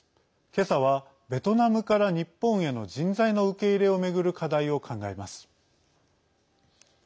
けさは、ベトナムから日本への人材の受け入れを巡る課題を考えます。